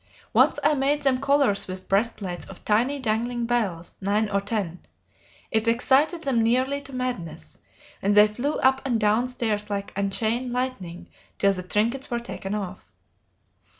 Once I made them collars with breastplates of tiny dangling bells, nine or ten; it excited them nearly to madness, and they flew up and down stairs like unchained lightning till the trinkets were taken off."